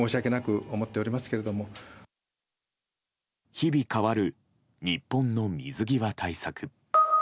日々変わる日本の水際対策。